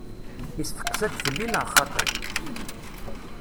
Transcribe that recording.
Isteqsa-d felli neɣ xaṭṭi?